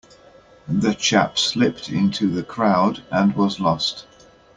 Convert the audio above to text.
The chap slipped into the crowd and was lost.